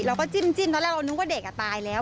เราก็จิ้มตอนแรกเรานึกว่าเด็กอ่ะตายแล้ว